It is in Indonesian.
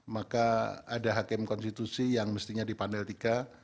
maka ada hakim konstitusi yang mestinya di pandel tiga